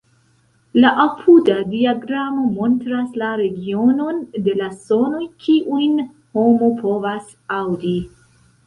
La apuda diagramo montras la regionon de la sonoj, kiujn homo povas aŭdi.